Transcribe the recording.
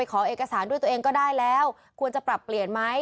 ขอเอกสารด้วยตัวเองก็ได้แล้วควรจะปรับเปลี่ยนไหม